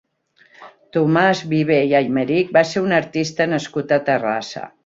Tomàs Viver i Aymerich va ser un artista nascut a Terrassa.